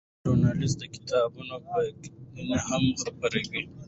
دا ژورنال د کتابونو بیاکتنې هم خپروي.